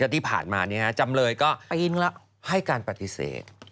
ที่ผ่านมาจำเลยก็ปีนให้การปฏิเสธ